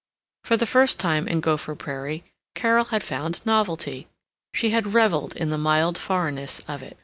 For the first time in Gopher Prairie Carol had found novelty. She had reveled in the mild foreignness of it.